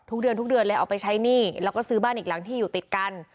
ทุกเดือนทุกเดือนเลยเอาไปใช้หนี้แล้วก็ซื้อบ้านอีกหลังที่อยู่ติดกัน